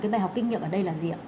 bài học kinh nghiệm ở đây là gì ạ